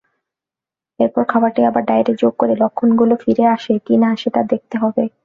এরপর খাবারটি আবার ডায়েটে যোগ করে লক্ষণগুলো ফিরে আসে কি না সেটি দেখতে হবে।